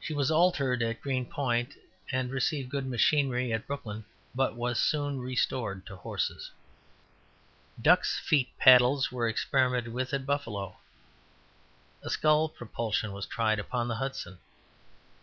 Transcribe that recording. She was altered at Green Point and received good machinery at Brooklyn, but was soon restored to horses. Duck's feet paddles were experimented with at Buffalo. A scull propulsion was tried upon the Hudson.